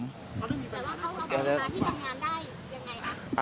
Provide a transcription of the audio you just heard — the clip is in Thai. เขาก็พักมาที่ทางงานได้ยังไง